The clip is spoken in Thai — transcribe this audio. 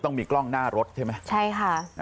ต้องมีกล้องหน้ารถใช่ไหมใช่ค่ะ